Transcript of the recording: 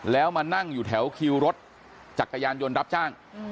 แล้วมานั่งอยู่แถวคิวรถจักรยานยนต์รับจ้าง